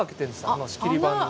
あの仕切り板に。